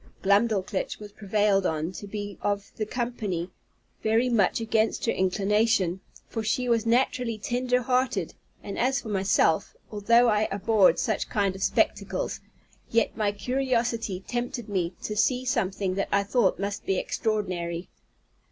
Glumdalclitch was prevailed on to be of the company, very much against her inclination, for she was naturally tender hearted; and as for myself, although I abhorred such kind of spectacles, yet my curiosity tempted me to see something that I thought must be extraordinary.